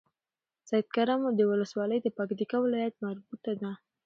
سيدکرم ولسوالۍ د پکتيا ولايت مربوطه ده